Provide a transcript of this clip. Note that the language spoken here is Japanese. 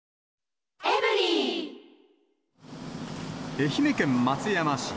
愛媛県松山市。